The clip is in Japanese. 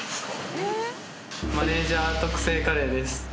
マネージャー特製カレーです。